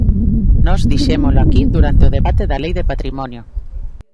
Nós dixémolo aquí durante o debate da Lei de patrimonio.